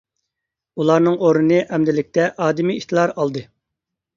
ئۇلارنىڭ ئورنىنى ئەمدىلىكتە ئادىمىي ئىتلار ئالدى.